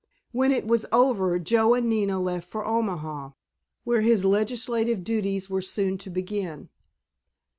When it was over Joe and Nina left for Omaha, where his legislative duties were soon to begin.